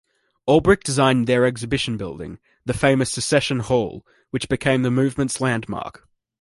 Olbrich designed their exhibition building, the famous Secession Hall, which became the movement's landmark.